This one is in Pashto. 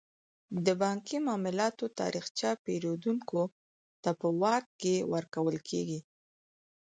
د بانکي معاملاتو تاریخچه پیرودونکو ته په واک کې ورکول کیږي.